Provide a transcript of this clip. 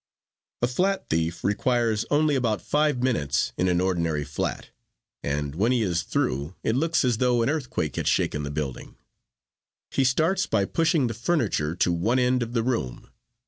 "A flat thief requires only about five minutes in an ordinary flat, and when he is through it looks as though an earthquake had shaken the building. He starts by pushing the furniture to one end of the room.